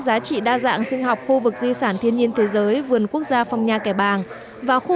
giá trị đa dạng sinh học khu vực di sản thiên nhiên thế giới vườn quốc gia phong nha kẻ bàng và khu